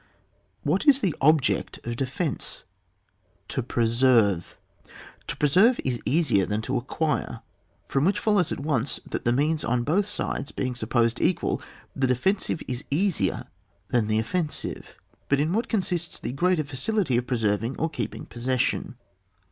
What is the object of defence? To preserve. To preserve is easier than to acquire ; from which follows at once that the means on both sides being supposed equal, the defensive is easier than the offensive. But in what consists the greater facility of preserving or keeping possession